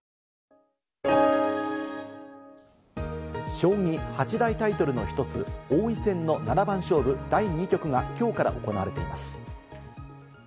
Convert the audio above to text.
将棋八大タイトルの１つ、王位戦の七番勝負、第２局がきょうから行われています。